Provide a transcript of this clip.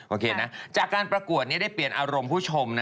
โอเคนะจากการประกวดนี้ได้เปลี่ยนอารมณ์ผู้ชมนะ